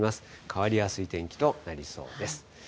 変わりやすい天気となりそうです。